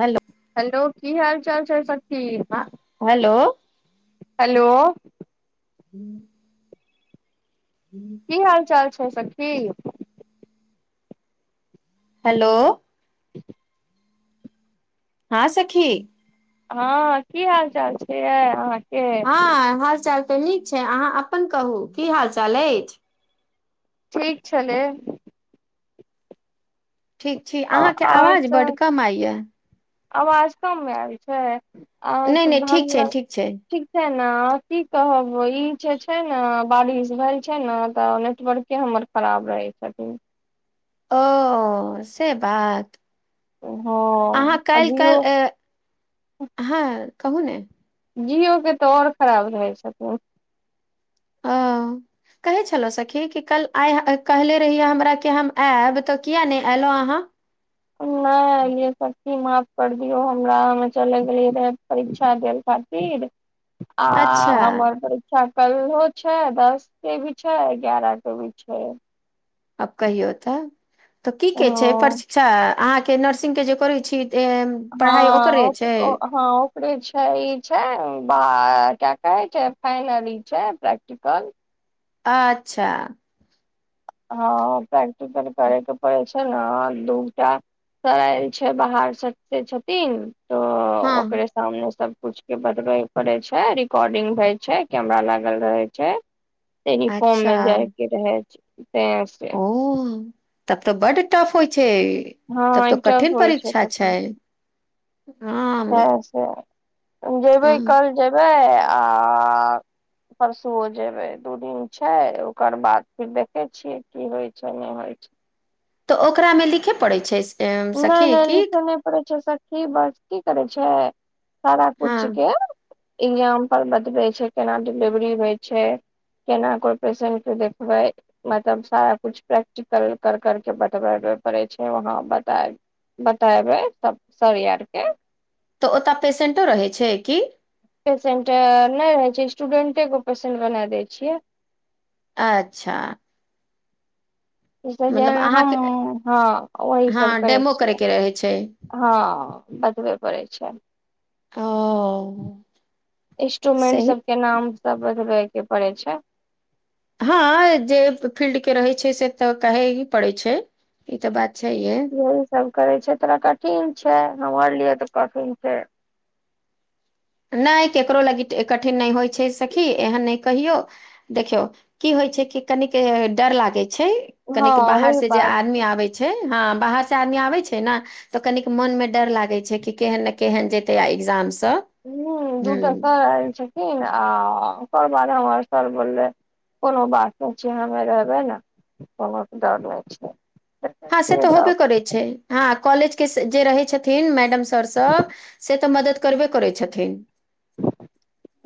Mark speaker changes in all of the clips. Speaker 1: Hello
Speaker 2: hello की हाल चाल छै सखी
Speaker 1: ह हेलो
Speaker 2: हेलो
Speaker 1: हूँ [inaudible]
Speaker 2: की हाल चाल छै सखी
Speaker 1: हेलो
Speaker 2: [inaudible]
Speaker 1: हँ सखी
Speaker 2: हँ की हाल चाल छैै अहाँ
Speaker 1: हँ हाल चाल तऽ नीक छै अहाँ अपन कहू की हाल चाल अछि
Speaker 2: ठीक छलै
Speaker 1: ठीक छी
Speaker 2: आ
Speaker 1: अहाँकेँ
Speaker 2: आओर
Speaker 1: आवाज बड्ड
Speaker 2: सब
Speaker 1: कम आइ य
Speaker 2: आवाज कम आयल छै
Speaker 1: नहि
Speaker 2: आहाँकेँ
Speaker 1: नहि ठीक छै
Speaker 2: [unintelligible]
Speaker 1: ठीक छै
Speaker 2: ठीक छै ने अहाँ की कहब ई जे छै नऽ बारिश भेल छै नऽ तऽ नेटवर्के हमर खराब रहै छथिन
Speaker 1: ओ से बात
Speaker 2: हँ
Speaker 1: अहाँ
Speaker 2: आ
Speaker 1: काल्हि
Speaker 2: जिओ
Speaker 1: काल्हि हँ कहू नऽ
Speaker 2: जिओ केँ तऽ आओर खराब रहै छथिन
Speaker 1: हँ कहै छलहुँ सखी कि कल आइ कहले रहियै हमरा हम आयब तऽ किया नहि एलहुँ अहाँ
Speaker 2: नहि एलियै सची माफ कर दियौ हमरा हमे चले गेलियै रहै परीक्षा देल खातिर आ
Speaker 1: अच्छा
Speaker 2: हमर [unintelligible] परीक्षा कलहो छै दस के भी छै एगारह के भी छै
Speaker 1: अब कहियो तऽ तऽ की
Speaker 2: ओ
Speaker 1: के छै प्रशिक्षा से आहाँ फेर नर्सिंगके जे करै छी त
Speaker 2: हँ हँ छै ई छै क्य कहै छै फाइनल ई छै प्रैक्टिकल
Speaker 1: अच्छा
Speaker 2: हँ प्रैक्टिकल करयके पड़ै छै नय दूटा सर आयलछै बाहर सब से छथिन तऽ
Speaker 1: हँ
Speaker 2: ओकरे सामने सब कुछ के बदबे पड़े छै रिकॉर्डिंग भय छै कैमरा लागल रहे छै
Speaker 1: अच्छा
Speaker 2: यूनिफॉर्ममे जाइके रहे छै त
Speaker 1: ओ तब तऽ बड्ड टफ होइ छै
Speaker 2: हँ
Speaker 1: तब तऽ
Speaker 2: एकटा
Speaker 1: कठिन
Speaker 2: होइ
Speaker 1: परीक्षा
Speaker 2: तखन
Speaker 1: छै ह
Speaker 2: से जयबै कल जेयबै आ परसुओ जेबै दू दिन छै ओकर बाद फिर देखैत छियै की होइत छै नहि होइ छै
Speaker 1: तऽ ओकरा मे लिखे पड़ै छै एम,
Speaker 2: नहि
Speaker 1: सखी
Speaker 2: नहि
Speaker 1: की
Speaker 2: लिखेय नहि पड़ै छै सर बस की करै छै सारा
Speaker 1: हँ
Speaker 2: किछु के इगजामपल बतबै छै केना डिलेवरी होइ छै केना को पेशेंट के देखबै मतलब सारा कुछ प्रैक्टिकल कर करके बतबे पड़े छै वहा तऽ बतेबै त सर आरके
Speaker 1: तऽ ओतऽ पेसेंटो रहै छै कि
Speaker 2: पेसेन्ट नहि रहै छै स्टूडेन्टे के पेसेन्ट बना दै छियै
Speaker 1: अच्छा
Speaker 2: ई सब
Speaker 1: मतलब
Speaker 2: जहन हम
Speaker 1: अहाँके
Speaker 2: हँ ओही
Speaker 1: हँ
Speaker 2: सब करै
Speaker 1: डेमो
Speaker 2: छियै
Speaker 1: करयके रहै छै
Speaker 2: हँ बतबय पड़ै छै
Speaker 1: ओ
Speaker 2: इंस्ट्रूमेंट
Speaker 1: सही
Speaker 2: सब के नाम सब बतबे के पड़े छै
Speaker 1: हँ जे फील्ड के रहे छै से तऽ कहे ही पड़े छै ई तऽ बात छैहे
Speaker 2: यह सब करे छै तोरा कठिन छै हमर लिए तो कठिन छै
Speaker 1: नहि ककरो ल कठिन नहि होइ छै सखी एहन नहि कहियौ देखियौ की होइ छै कि कनिक डर लागे छैय
Speaker 2: हँ
Speaker 1: कनिक बाहर
Speaker 2: ओहि
Speaker 1: से जे
Speaker 2: बात
Speaker 1: आदमी आबै छै हँ बाहर से आदमी आबै छै नऽ तऽ कनिक मोनमे डर लागैत छै कि केहन ने केहन जेतै आ एग्जामसभ
Speaker 2: ह दूटा सर आयल छथिन्ह आ सर बाद हमर सर बोललै कोनो बात नहि छैियै हमे रहबै ने कोनो डर नहि छै देखै
Speaker 1: हँ से
Speaker 2: छियै
Speaker 1: तऽ होबे करै छै हँ कॉलेज के जे रहै छथिन मैडम सर सभ से तऽ मदद करबे करय छथिन्ह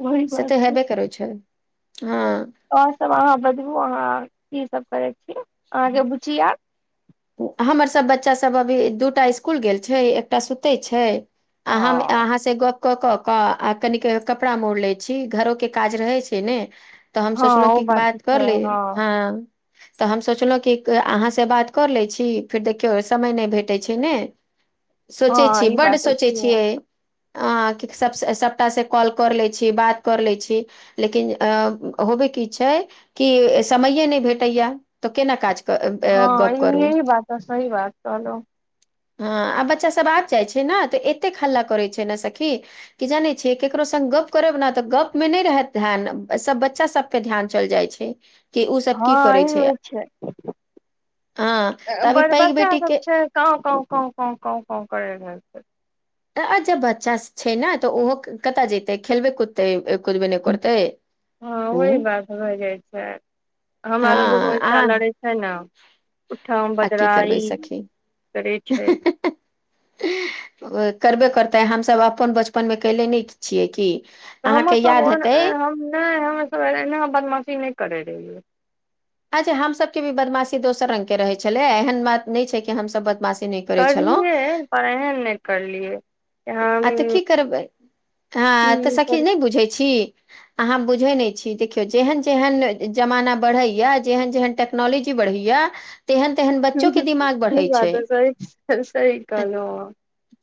Speaker 2: वही
Speaker 1: से
Speaker 2: बात
Speaker 1: तऽ
Speaker 2: छै
Speaker 1: हेबे करय छै हँ
Speaker 2: और सब अहाँ बदबू अहाँ सब करे
Speaker 1: [unintelligible] हमर सब बच्चा सब अभी दूटा स्कूल गेल छै एकटा सुतै छै हम
Speaker 2: हँ
Speaker 1: अहाँ सँ गप्प कऽ कऽकऽ आ कनेक कपड़ा मोड़ लै छी घरोके काज रहय छै ने तॅं हम
Speaker 2: हँ
Speaker 1: सोचलहुँ
Speaker 2: ओ
Speaker 1: की
Speaker 2: तऽ
Speaker 1: बात कर
Speaker 2: छै
Speaker 1: ले हँ तॅं हम सोच -लहुँ कि अहाँसँ बात कर लै छी फेर देखियौ समय नहि भेटै छै ने सोचै
Speaker 2: हँ
Speaker 1: छीयै
Speaker 2: ई बात
Speaker 1: बड्ड
Speaker 2: तऽ
Speaker 1: सोचै छियै। कि सभ सभटा से कॉल कर लै छी, बात कर लै छी लेकिन होबय की छै कि समयए नहि भेटैया तॅं केना काज- क-
Speaker 2: हँ
Speaker 1: अ- गप
Speaker 2: ई
Speaker 1: करू
Speaker 2: यही बात सही बात कहलहुँ
Speaker 1: हँ आ बच्चा सभ आबि जाइ छै ने तऽ एतेक हल्ला करैत छै ने सखी कि जानै छियै ककरो संग गप्प करब ने तॅं गपमे नहि रहत ध्यान सभ बच्चा सभ पे ध्यान चल जाइ छै कि ओ सब की
Speaker 2: हँ
Speaker 1: करै
Speaker 2: ई
Speaker 1: छै?
Speaker 2: होइ
Speaker 1: हँ तऽ अभी
Speaker 2: बड़
Speaker 1: पैघ
Speaker 2: बच्चा
Speaker 1: बेटी
Speaker 2: सब
Speaker 1: के
Speaker 2: छै कांव कांव कांव कांव कांव कांव करै रहै छै
Speaker 1: अजब बच्चा छै ने तऽ ओहो कतय जेते खेलबै कुदबे- तै कुदबे ने करतै,
Speaker 2: हँ
Speaker 1: उं
Speaker 2: ओहि बात भए जाइ छै हमरा लग दुनू एत्ता लड़ै छै ने
Speaker 1: आ की
Speaker 2: उठम-बजरा
Speaker 1: करबै
Speaker 2: ई
Speaker 1: सखी
Speaker 2: करैत छै।
Speaker 1: करबे करतै, हम सभ अपन बचपनमे कले नहि छियै कि?
Speaker 2: हमर सब ओहेन हम नहि हमर सब एना बदमाशी नहि करै रहियै
Speaker 1: अच्छा हम सभके भी बदमाशी दोसर रंगके रहय छलै एहन बात नइॅं छै कि हम सभ बद-
Speaker 2: करलियै पर एहन नहि करलियै। हम
Speaker 1: आ तऽ की करबै, हँ तऽ
Speaker 2: ई
Speaker 1: सखी
Speaker 2: पर
Speaker 1: नहि बुझै छी अहाँ बुझै नहि छी, देखियौ जेहन-जेहन जमाना बढ़ैया जेहन-जेहन नोलॉजी बढ़ैया तेहेन-तेहेन बच्चोके दिमाग
Speaker 2: ई
Speaker 1: बढ़य छै
Speaker 2: बात सही सही कहलहुँ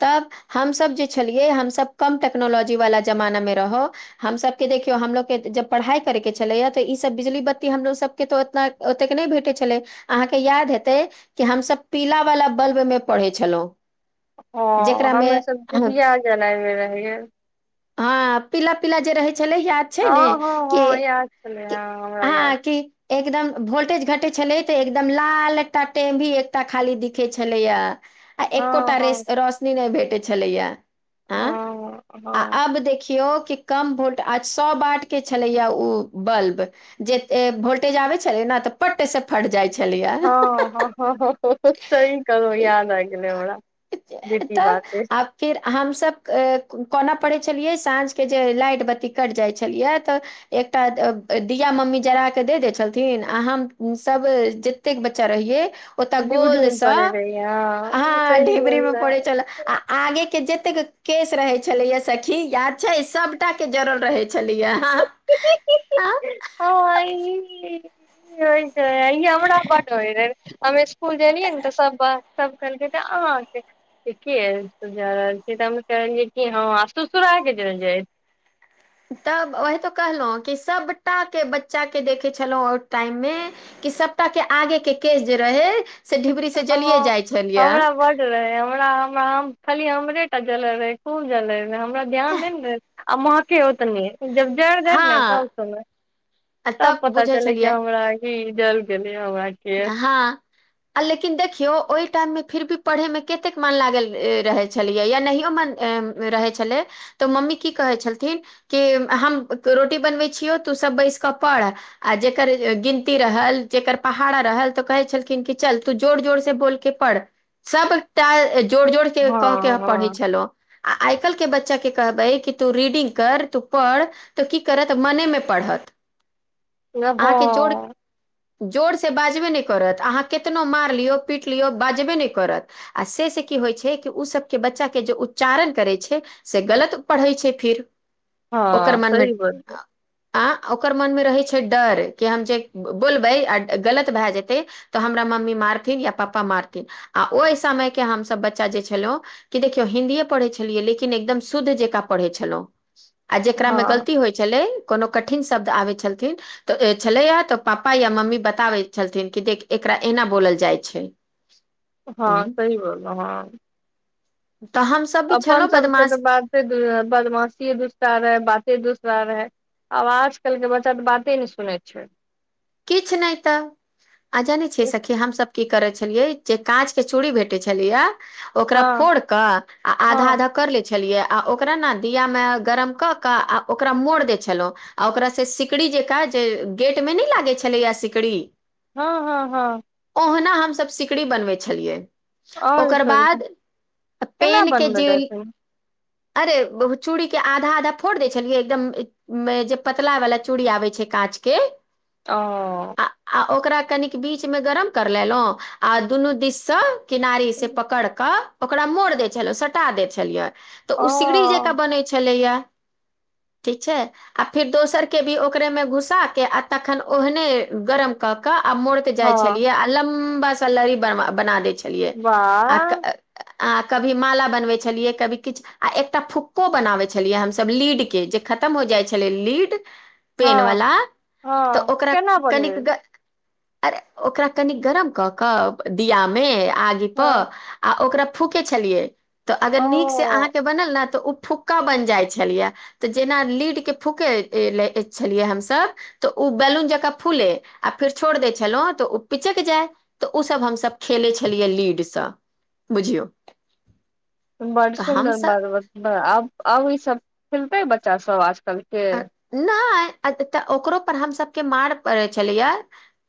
Speaker 1: तब हम सभ जे छलियै हम सब कम टेक्नोलॉजी वला जमानामे रहौं हम सभके देखियौ हमलोगके जब पढ़ाइ करैके छलैए तऽ ईससभ बिजली बत्ती हमरो सब के तो ओतना ओतेक नहि भेटे छलै अहाँके याद हेतै की हम सभ पीला वाला बल्बमे पढ़ै छलहुँं
Speaker 2: हॅं हमे सब डिबिया जलाइने रहियै
Speaker 1: हँ पीला-पीला जे रहै छलै या- छै
Speaker 2: हँ
Speaker 1: ने
Speaker 2: हँ
Speaker 1: कि
Speaker 2: हँ याद छलै हँ हमरा याद
Speaker 1: हँ कि एकदम वोल्टेज घटय छलै तऽ एकदम लाल एकटा टेमी एक्टा खाली दिखै छलैया आ
Speaker 2: हँ
Speaker 1: एकोटा
Speaker 2: हँ
Speaker 1: रेश रोशनी नहि भेटय छलैया। अँ
Speaker 2: हँ
Speaker 1: आ
Speaker 2: हँ
Speaker 1: अब देखियौ कि कम वोल्ट आ सौ बाटके छलैया उ बल्ब जे ए वोल्टेज आबै छलै ने तऽ छोटे से फट जाइ छलैए
Speaker 2: हँ हं हं हं सही कहलहुँ याद आबि गेलै हमरा बी
Speaker 1: तऽ
Speaker 2: पीबाके [unintelligible]
Speaker 1: आ फिर हम सभ कोना पढ़य छलियै साँझके जे लाइट-बत्ती कटि जाइ छलैया तऽ एकटा एब ए दिया मम्मी जरा कऽ दै दैत छलथिन आ हम सभ जे जतेक बच्चा रहियै ओतय
Speaker 2: डिबडीम
Speaker 1: गोलस,
Speaker 2: करै रहियै हँ
Speaker 1: हॅं
Speaker 2: सही
Speaker 1: ढेबरीमे पढ़य छलए
Speaker 2: बोललै
Speaker 1: आ आगेके जतेक केस रहै छलैया सखी याद छै सबटाके जड़ल रहय छलियै हॅं आ
Speaker 2: हँ अ हो छै अ हमरा बड्ड होइ रहै हमे- कुल गेलियै न तऽ सभ सभ कहलकै तऽ अहाँके ठिके ऐ सुझा रहल छीै तऽ हम कहलियै कि हँ आ सुरसुरा के चल जाय
Speaker 1: तब ओहे तो कहलहुँ कि सभटाके बच्चाके देखै छलहुँ ओहि टाइममे कि सभटा के आगे के केश जे रहै से ढिबरी से जलिये
Speaker 2: हँ
Speaker 1: जाइ छलये
Speaker 2: हमरा बड हमरा हम हम खाली हमरेटा जलल रहे खूब जले नै हमरा ध्यान नहि ने देत आ महके ओतने जब जरि
Speaker 1: हँ
Speaker 2: जायत ने तब सुनब
Speaker 1: आ
Speaker 2: तब पता
Speaker 1: बुझै
Speaker 2: चलै कि
Speaker 1: छलियै
Speaker 2: हमरा ही जल गेलै हमरा केश
Speaker 1: हं आ लेकिन देखियौ ओहि टाइममे फिर भी पढ़ैमे कतेक मन लागल रहै छलैए या नहियो मन रहय छलै तऽ मम्मी की कहै छलथिन्ह कि हम रोटी बनबै छियौ तू सभ बैस कऽ पढ़ आ जकर गिनती रहल जकर पहाड़ा रहल तऽ कहै छलखिन कि चल तू जोर जोर से बोलके पढ़ सबटा जोर जोर के
Speaker 2: हँ
Speaker 1: क के पढ़ै
Speaker 2: हँ
Speaker 1: छलहु आ आइ काल्हिके बच्चाके कहबै कि तू रीडिंग कर तू पढ़ तऽ की करत मनेमे पढ़त
Speaker 2: [unintelligible]
Speaker 1: जोरसँ बाजबे नहि करत अहाँ केतनो मारि लियौ पीट लियौ बाजबे नहि करत आ से से की होइत छै कि ओ सभके बच्चाके जे उच्चारण करै छै से गलत पढ़ै छै फिर ओकर
Speaker 2: हँ
Speaker 1: मनमे
Speaker 2: सही बोललियै
Speaker 1: आं ओकर मन मे रहय छै डर कि हम जे बोलबै अं गलत भए जेतै तऽ हमरा मम्मी मारथिन या पप्पा मारथिन आ ओहि समयके हमसभ बच्चा जे छलहुँ कि देखियौ हिन्दीए पढ़य छलियै लेकिन एकदम शुद्ध जकाँ पढ़य छलहुँ आ जेकरा मे
Speaker 2: हँ
Speaker 1: गलती होइत छलै कोनो कठिन शब्द आबय छलथिन्ह तऽ छलैया तऽ पापा या मम्मी बताबैत छलथिन कि देख एकरा एना बोलल जाइ छै
Speaker 2: हँ
Speaker 1: हम्म,
Speaker 2: सही बोललू हँ
Speaker 1: तहन
Speaker 2: अपन सबके तऽ बाते दुसरा रहे बदमाशीे दूसरा रहै बाते दूसरा रहै आब आजकलके बच्चा तऽ बाते नहि सुनैत छैय
Speaker 1: किछ नइ तऽ आ जानै छियै सखी हमसभ की करै छलियै जे काँच के चूड़ी भेटै छलियये ओकरा
Speaker 2: हँ
Speaker 1: फोड़ क आ आधा
Speaker 2: हँ
Speaker 1: आधा कर लै छलियै आ ओकरा न दीया में गरम कऽ कऽ आ ओकरा मोड़ दै छलहुँ आ ओकरासँ सिकड़ी जेकाँ जे गेटमे नहि लागै छलैए सिकड़ी
Speaker 2: हँ हँ हँ
Speaker 1: ओहना हमसभ सिकरी बनबय छलियै
Speaker 2: आओर
Speaker 1: ओकर
Speaker 2: तोरी
Speaker 1: बाद
Speaker 2: केना
Speaker 1: पेन के
Speaker 2: बनबै
Speaker 1: जेल
Speaker 2: रहथिन
Speaker 1: अरे चूड़ी के आधा आधा फोड़ दै छलियै एकदम मे जे पतला वाला चूड़ी आबै छै काँच के
Speaker 2: ओ
Speaker 1: आ, आ ओकरा कनिक बीच मे गरम कर लेलन्हु आ दुनू दिससँ किनारे स पकड़ क ओकरा मोड़ दय छल‌ऊं सटा दै छलियै तऽ
Speaker 2: ओ
Speaker 1: उ सिकड़ी जे त बनय छलैया ठीक छै आ फिर दोसर के भी ओकरे मे घुसा के आ तखन ओहने गरम कर के आ मोड़ के जाय
Speaker 2: हँ
Speaker 1: छिये आ लम्बा सा लड़ी बना दे छे
Speaker 2: वाह
Speaker 1: [unintelligible] आ कभी माला बनबै छलियै कभी किछ आ एकटा फुक्को बनाबै छलियै हमसभ लीड केँ जे खतम हो जाइ छलै लीड पेन
Speaker 2: हँ
Speaker 1: वला तऽ
Speaker 2: हँ
Speaker 1: ओकरा
Speaker 2: केना
Speaker 1: कनिक
Speaker 2: बनेबै
Speaker 1: अरे ओकरा कनि गरम कऽ कऽ दियामे आगि पर
Speaker 2: हँ
Speaker 1: आ ओकरा फूके छलियै तऽ अगर नीक से
Speaker 2: ओ
Speaker 1: अहाँकेँ बनल नऽ तऽ ओ फूक का बनि जाइ छलियै तऽ जेना लीड के फूके ले छलियै हमसब तऽ उ बैलून जकाँ फूले आ फेर छोड़ दै छलहुँ तऽ ओ पिचैक जाय तऽ उसभ हमसभ खेलै छलियै लीडसँ बुझियौ
Speaker 2: बड
Speaker 1: तऽ
Speaker 2: सुन्दर
Speaker 1: हमसब
Speaker 2: बात आब आब ई सब खेलतै बच्चा सब आजकल के
Speaker 1: नहि तऽ ओकरो पर हमसभ केँ मार पड़ै छलै य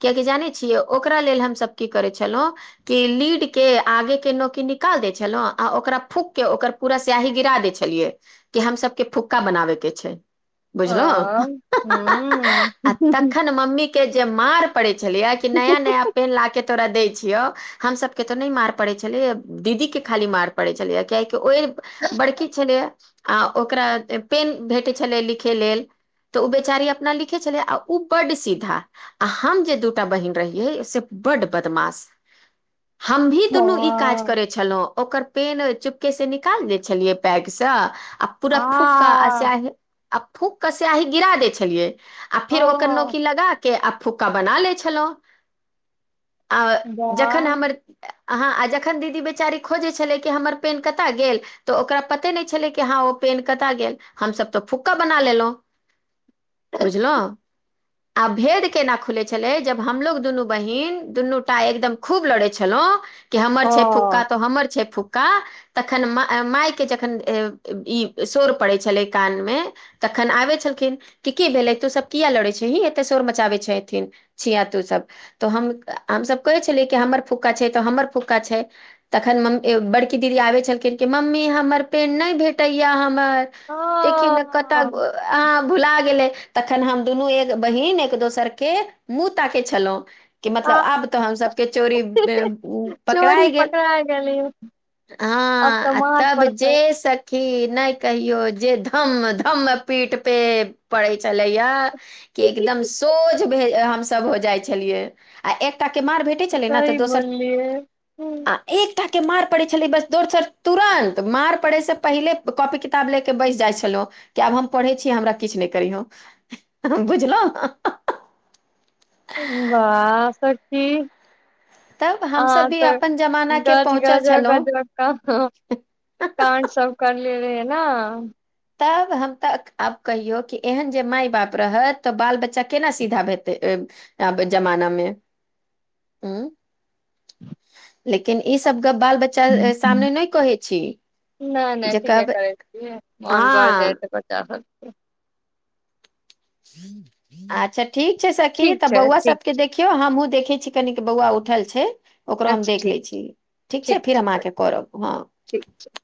Speaker 1: कियकि जानै छियै ओकरा लेल हमसभ की करै छलहुँ कि लीड केँ आगे केँ नोकी निकाल दै छलहुँ आ ओकरा फूक केँ ओकर पूरा स्यही गिरा दै छलियै कि हम सब केँ फुक्का बनाबे केँ छै बुझलहु [unintelligible] आ तखन मम्मी केँ जे मार पड़ै छलै य कि नया नया पेन लाके तोरा दैय छियो हमसब केँ तऽ नइ मार पड़ै छले यऽ दीदी केँ खाली मार पड़ै छलै यऽ कियाकि ओइ बड़की छलै आ ओकरा पेन भेटै छलै लिखे लेल तऽ उ बेचारी अपना लिखे छलै आ उ बड सीधा आ हम जे दूटा बहिन रहियै से बड्ड बदमाश हम भी दुनू ई काज करै छलहु ओकर पेन चुपके से निकाल लै छलियै बैग सँ आ पूरा फूका आ स्याही आ फूक कऽ स्याही गिरा दै छलियै आ फेर ओकर नोकी लगा केँ आ फुक्का बना ले छलहुँ आ जखन हमर हँ आ जखन दीदी बेचारी खोजै छलै की हमर पेन कतय गेल तऽ ओकरा पते नहि छलै कि हँ ओ पेन कतय गेल हमसभ तऽ फुक्का बना लेलहुँ बुझलऊ आ भेद केना खुले छले जब हमलोग दुनू बहिन दुनूटा एकदम खूब लड़े छलहुँ कि हमर छै फुक्का तो हमर छै फुक्क तखन माय केँ जखन ई शोर पड़ै छलै कान मे तखन आबै छलखिन कि की भेलै तोसभ किया लड़ै छिही एतय शोर मचाबै छथिन छिय तू सभ तऽ हम हमसभ कहै छलियै कि हमर फुक्का छै तऽ हमर फुक्का छै तखन मम बड़की दीदी आबै छलखिन कि मम्मी हमर पेड़ नहि भेटै य हमर देखि नऽ कतऽ अ भुला गेलै तखन हम दुनू एक बहिन एक दोसर के मुँह ताकेँ छलहुँ कि मतलब
Speaker 2: आ,
Speaker 1: आब तऽ हमसके चोरी
Speaker 2: चोरी
Speaker 1: पकड़ाय गेल
Speaker 2: पकड़ा गेली अब
Speaker 1: हँ
Speaker 2: तऽ
Speaker 1: आ
Speaker 2: मार
Speaker 1: तब जे
Speaker 2: पड़तै
Speaker 1: सखी नहि कहियो जे धम धम पीठ पे पड़ै छलै य की एकदम सोझ भे हमसब हो जाय छलियै आ एकटा केँ मार भे भेटे छले न तऽ
Speaker 2: सही
Speaker 1: दोसर
Speaker 2: बोललियै
Speaker 1: आ एकटा केँ मार पड़े छलै बस दोसर तुरंत मार पड़े से पहिले कॉपी किताब ले बैस जाइ छलहु कि आब हम पढ़ै छी हमरा किछ नहि करीहँ बुझलहु
Speaker 2: वाह सखी
Speaker 1: तब हमसभ
Speaker 2: अहाँ
Speaker 1: भी
Speaker 2: तऽ
Speaker 1: अपन जमाना के
Speaker 2: गज
Speaker 1: पहुँचल
Speaker 2: गाजा [unintelligible]
Speaker 1: छलहुँ
Speaker 2: कड सब करले रहिये नइ
Speaker 1: तब हम तऽ आब कहियौ कि एहन जे माय बाप रहत तऽ बाल बच्चा केना सीधा भेतै अब जमानामे ह लेकिन ई सब गप बाल बच्चा
Speaker 2: हूँ हूँ
Speaker 1: सामने नहि कहै छी
Speaker 2: नहि नहि ठीके
Speaker 1: जेकहबै
Speaker 2: करै मोन भढ़ जाए त बता सकत [unintelligible]
Speaker 1: अच्छा ठीक छै सखी
Speaker 2: ठीक
Speaker 1: तऽ
Speaker 2: छै
Speaker 1: बौआ
Speaker 2: ठीक
Speaker 1: सबके
Speaker 2: छै
Speaker 1: देखी के हमहूँ देखै छी कनिक बौआ उठल छै ओकरो हम
Speaker 2: अच्छा
Speaker 1: देख
Speaker 2: ठीक
Speaker 1: लै छी ठीक छै फिर हम अहके करब हँ
Speaker 2: ठीक छै